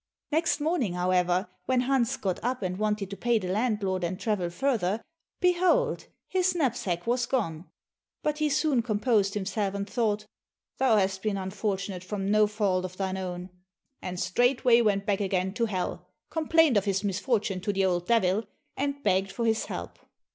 Next morning, however, when Hans got up and wanted to pay the landlord and travel further, behold his knapsack was gone! But he soon composed himself and thought, "Thou hast been unfortunate from no fault of thine own," and straightway went back again to hell, complained of his misfortune to the old Devil, and begged for his help.